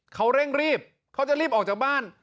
เขาเร่งรีบเขาจะรีบออกจากบ้าน